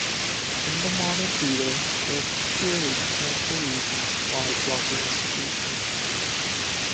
In the modern theater, there are purely mechanical reasons why blocking is crucial.